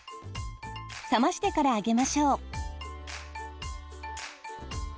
冷ましてからあげましょう。